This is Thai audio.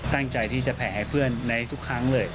ตั้งใจที่จะแผ่ให้เพื่อนในทุกครั้งเลย